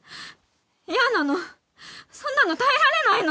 嫌なのそんなの耐えられないの